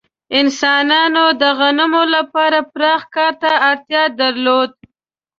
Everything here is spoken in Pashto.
انسانانو د غنمو لپاره پراخ کار ته اړتیا درلوده.